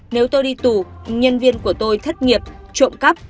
nếu tôi đi tù nhân viên của tôi thất nghiệp trộm cắp